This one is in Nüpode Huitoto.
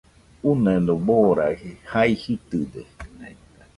Uneno baraji, jea jitɨde